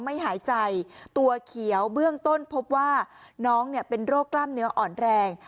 ไม่หายใจตัวเขียวเบื้องต้นพบว่าน้องเป็นโรคกล้ามเนื้ออ่อนแรง